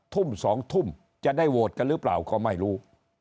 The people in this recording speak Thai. ทุ่ม๒ทุ่มจะได้โหวตกันหรือเปล่าก็ไม่รู้